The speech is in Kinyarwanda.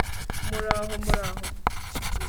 muraho muraho